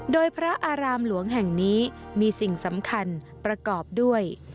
โดยพระอารามหลวงแห่งนี้มีสิ่งสำคัญประกอบด้วย